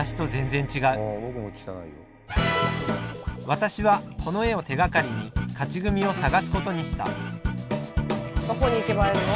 私はこの絵を手がかりに勝ち組を探すことにしたどこに行けば会えるの？